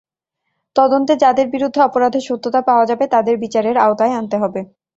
তদন্তে যাদের বিরুদ্ধে অপরাধের সত্যতা পাওয়া যাবে, তাদের বিচারের আওতায় আনতে হবে।